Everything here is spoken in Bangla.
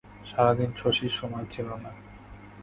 সারাদিন শশীর সময় ছিল না।